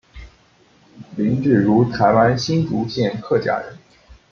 林志儒台湾新竹县客家人。